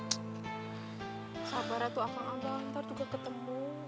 sabarnya tuh abang ntar juga ketemu